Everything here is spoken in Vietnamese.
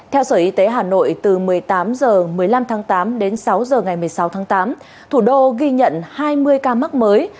theo sở y tế hà nội từ một mươi tám h một mươi năm tháng tám đến sáu h ngày một mươi sáu tháng tám thủ đô ghi nhận hai mươi ca mắc mới